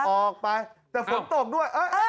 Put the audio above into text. ออกไปแต่ฝนตกด้วย